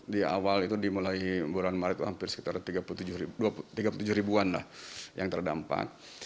di awal itu dimulai bulan maret hampir sekitar tiga puluh tujuh ribuan lah yang terdampak